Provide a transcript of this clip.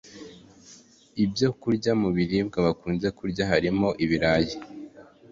ibyokurya mu biribwa bakunze kurya harimo ibirayi .